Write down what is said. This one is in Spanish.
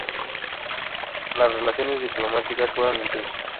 Las relaciones diplomáticas fueron intensas.